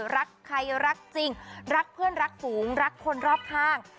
รักใครรักจริงรักเพื่อนรักฝูงรักคนรอบข้าง